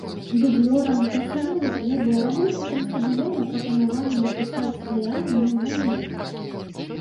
Дублёрам, персаналу клуба, работнікам стадыёна прапанавалі напісаць заявы на звальненне.